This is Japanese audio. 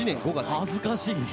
恥ずかしい。